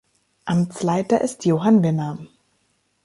Amtsleiter ist Johann Wimmer.